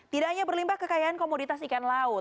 tidak hanya berlimpah kekayaan komoditas ikan laut